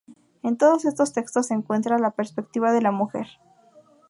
En todos de estos textos se encuentra la perspectiva de la mujer.